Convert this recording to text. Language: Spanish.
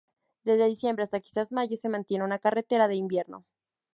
Desde diciembre hasta quizás mayo se mantiene una carretera de invierno.